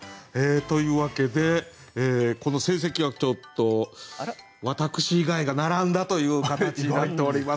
というわけでこの成績はちょっと私以外が並んだという形になっておりますね。